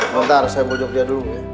bentar saya bojok dia dulu ya